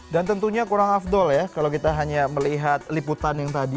dan tentunya kurang afdol ya kalau kita hanya melihat liputan yang tadi